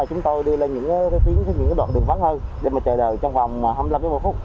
chúng ta đi lên những đoạn đường vắng hơn để mà chờ đợi trong khoảng hai mươi năm đến một mươi phút